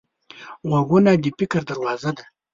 غوږونه د فکر دروازه ده